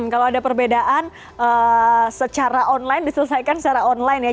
kalau ada perbedaan secara online diselesaikan secara online ya